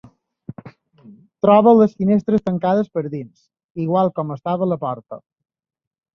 Troba les finestres tancades per dins, igual com ho estava la porta.